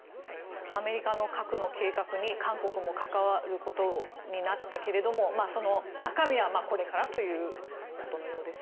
アメリカの核の計画に韓国も関わることになったけれどもその中身はこれからということのようです。